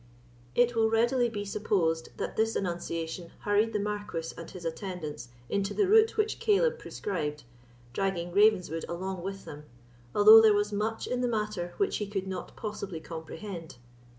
It will readily be supposed that this annunciation hurried the Marquis and his attendants into the route which Caleb prescribed, dragging Ravenswood along with them, although there was much in the matter which he could not possibly comprehend.